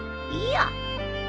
いいよ。